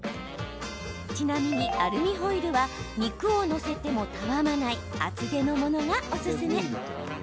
ちなみにアルミホイルは肉を載せても、たわまない厚手のものがおすすめ。